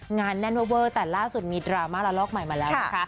งานแน่นเวอร์แต่ล่าสุดมีดราม่าระลอกใหม่มาแล้วนะคะ